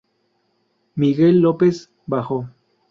Miguel López: bajo.